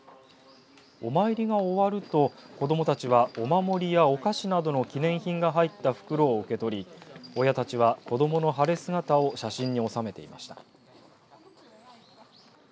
お参りが終わると、子どもたちはお守りやお菓子などの記念品が入った袋を受け取り親たちは、子どもの晴れ姿を写真に収めていました。